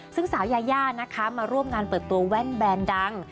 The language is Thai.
ซึ่งสาวยายานะคะมาร่วมงานเปิดตัวแว่นแบรนด์ดัง